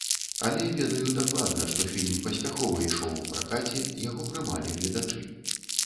Але ведаю дакладна, што фільм паспяхова ішоў у пракаце, яго прымалі гледачы.